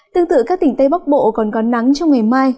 tương tự các tỉnh tây bắc bộ còn có nắng trong ngày mai